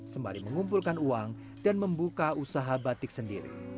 sembari mengumpulkan uang dan membuka usaha batik sendiri